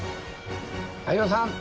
相葉さん。